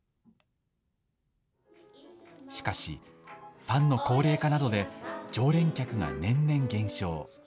しかし、ファンの高齢化などで常連客が年々減少。